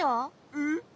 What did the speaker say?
えっ。